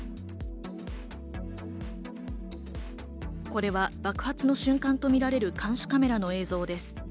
これは爆発の瞬間とみられる監視カメラの映像です。